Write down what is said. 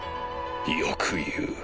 よく言う